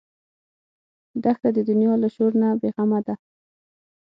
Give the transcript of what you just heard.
دښته د دنیا له شور نه بېغمه ده.